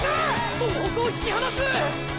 総北を引き離す！！